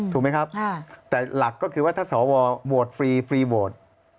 ถูกไหมครับแต่หลักก็คือว่าถ้าสวโหวตฟรีฟรีโหวต